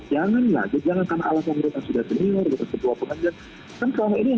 jangan lah jangankan alam yang menurut aku sudah jenior kalau ini yang bikin hidupnya hakim lagi di sekolah pemerintah